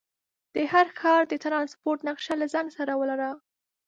د هر ښار د ټرانسپورټ نقشه له ځان سره ولره.